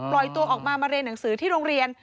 ปล่อยตัวออกมามาเรียนหนังสือที่โรงเรียน